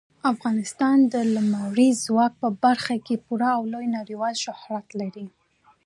افغانستان د لمریز ځواک په برخه کې پوره او لوی نړیوال شهرت لري.